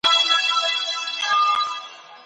مثبت فکر کار نه کموي.